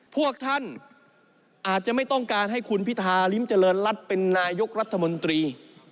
พวกท่านอาจจะไม่ต้องการให้คุณพิธาริมเจริญรัฐเป็นนายกรัฐมนตรี